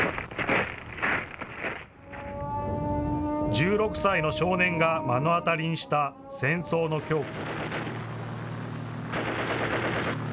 １６歳の少年が目の当たりにした戦争の狂気。